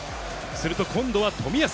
すると今度は冨安。